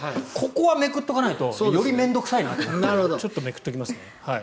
ここはめくっておかないとより面倒臭いなということでちょっとめくっておきますね。